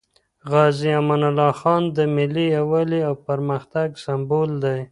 غازي امان الله خان د ملي یووالي او پرمختګ سمبول دی.